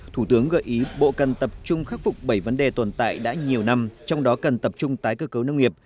thủ tướng gợi ý bộ cần tập trung khắc phục bảy vấn đề tồn tại đã nhiều năm trong đó cần tập trung tái cơ cấu nông nghiệp